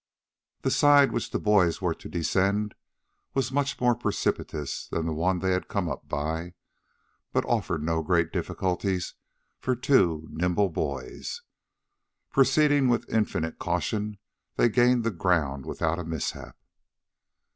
The side which the boys were to descend was much more precipitous than the one they had come up by, but offered no very great difficulties for two nimble boys. Proceeding with infinite caution, they gained the ground without a mishap.